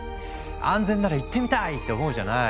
安全なら行ってみたい！って思うじゃない？